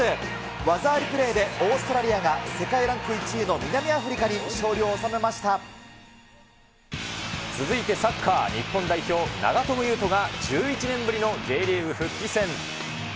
技ありプレーで、オーストラリアが世界ランク１位の南アフリカに続いてサッカー、日本代表、長友佑都が１１年ぶりのＪリーグ復帰戦。